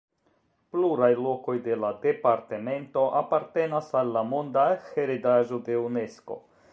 Pluraj lokoj de la departemento apartenas al la monda heredaĵo de Unesko.